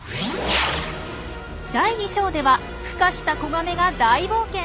第２章ではふ化した子ガメが大冒険。